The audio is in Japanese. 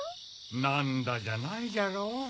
「なんだ」じゃないじゃろう。